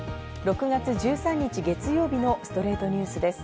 ６月１３日、月曜日の『ストレイトニュース』です。